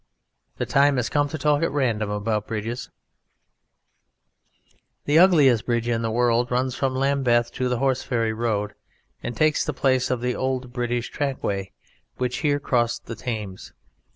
The time has come to talk at random about bridges. The ugliest bridge in the world runs from Lambeth to the Horseferry Road, and takes the place of the old British trackway which here crossed the Thames.